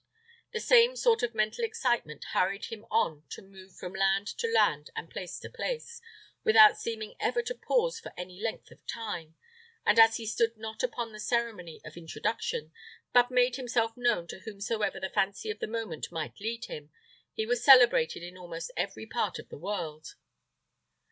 The same sort of mental excitement hurried him on to move from land to land and place to place, without seeming ever to pause for any length of time; and as he stood not upon the ceremony of introduction, but made himself known to whomsoever the fancy of the moment might lead him, he was celebrated in almost every part of the world.